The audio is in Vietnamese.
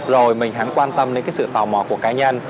rồi mình hắn quan tâm đến cái sự tò mò của cá nhân